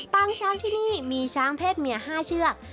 งช้างที่นี่มีช้างเพศเมีย๕เชือก